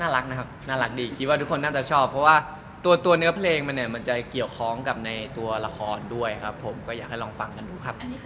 น่ารักนะครับน่ารักดีคิดว่าทุกคนน่าจะชอบเพราะว่าตัวเนื้อเพลงมันเนี่ยมันจะเกี่ยวข้องกับในตัวละครด้วยครับผมก็อยากให้ลองฟังกันดูครับ